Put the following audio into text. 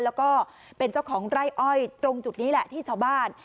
แล้วก็เป็นเจ้าของไร่อ้อยตรงจุดนี้แหละที่ชาวบ้าน